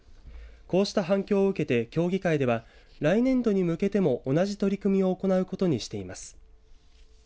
こうした反響を受けて協議会では来年度に向けても同じ取り組みを行うことにしています。